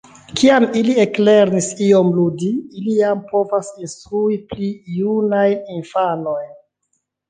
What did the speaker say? Kiam ili eklernis iom ludi, ili jam povas instrui pli junajn infanojn.